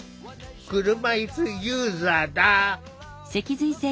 車いすユーザーだ。